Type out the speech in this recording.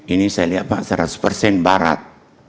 ini saya lihat pak seratus persen barat